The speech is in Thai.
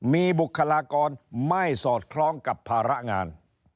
มีบุคลากรไม่สอดคล้องกับภาระงาน